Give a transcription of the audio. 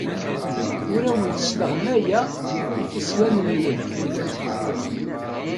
Ur awent-sleɣmayeɣ ifesyanen-nwent.